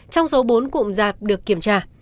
trong số bốn cụm dạp được kiểm tra